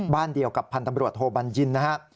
บ้านเดียวกับพันธ์ตำรวจโทบัญญินนะฮะ